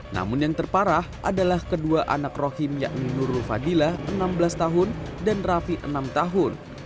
namun yang terparah adalah kedua anak rahim yakni nurul fadilah enam belas tahun dan rafi enam tahun